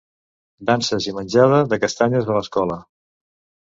Danses i menjada de castanyes a l'escola.